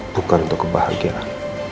bukan untuk kebahagiaan